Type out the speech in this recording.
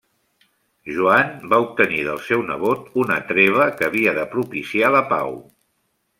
Joan va obtenir del seu nebot una treva que havia de propiciar la pau.